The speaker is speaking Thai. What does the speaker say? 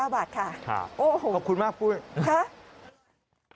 ๖๙๙๙บาทค่ะโอ้โหขอบคุณมากผู้ชม